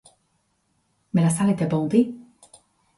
Mais la salle était bondée.